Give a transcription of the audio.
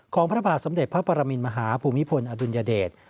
พระบาทสมเด็จพระปรมินมหาภูมิพลอดุลยเดช